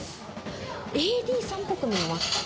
ＡＤさんぽく見えます。